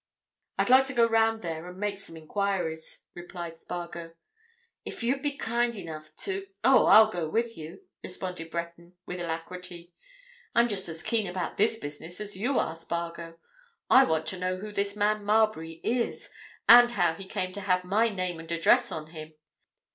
"I'd like to go round there and make some enquiries," replied Spargo. "If you'd be kind enough to——" "Oh, I'll go with you!" responded Breton, with alacrity. "I'm just as keen about this business as you are, Spargo! I want to know who this man Marbury is, and how he came to have my name and address on him.